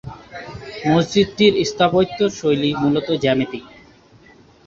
মসজিদটির স্থাপত্যশৈলী মূলত জ্যামিতিক।